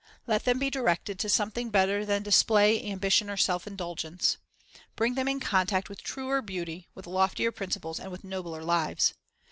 Let' them be directed to something better than display, ambition, or self indulgence. Bring them in contact with truer beauty, with loftier principles, and with nobler lives.